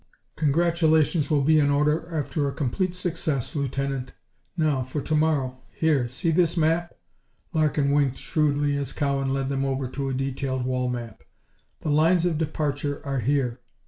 "Congratulations will be in order after a complete success, Lieutenant. Now for to morrow here, see this map." Larkin winked shrewdly as Cowan led them over to a detailed wall map. "The lines of departure are here.